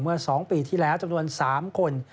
เมื่อ๒ปีที่แล้วจำนวน๓คน